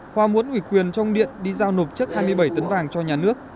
hòa muốn ủy quyền cho ông điện đi giao nộp chất hai mươi bảy tấn vàng cho nhà nước